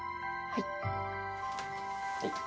はい。